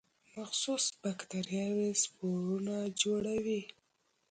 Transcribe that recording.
مخصوص باکتریاوې سپورونه جوړوي.